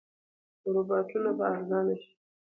روباټونه به ارزانه شي.